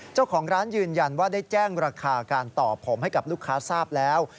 เจ้าของร้านยืนยันว่าได้แจ้งราคาการต่อผมให้กับลูกค้าทราบแล้ว